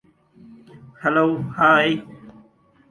Mulcahy was instructed to issue orders to all commanders to this effect.